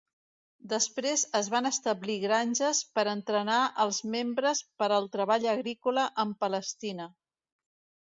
Després es van establir granges per entrenar als membres per al treball agrícola en Palestina.